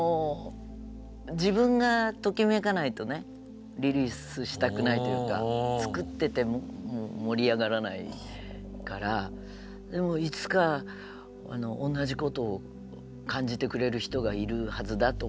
自分がときめかないとねリリースしたくないというか作ってても盛り上がらないからでもいつか同じことを感じてくれる人がいるはずだと思ってやってますよ。